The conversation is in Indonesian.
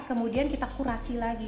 kemudian kita kurasi lagi